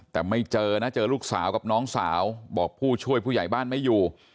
แต่ไม่เจอนะเจอลูกสาวกับน้องสาวบอกผู้ช่วยผู้ใหญ่บ้านไม่อยู่